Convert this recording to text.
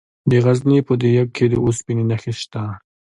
د غزني په ده یک کې د اوسپنې نښې شته.